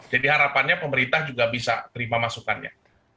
jadi harapannya pemerintah juga bisa terima masukannya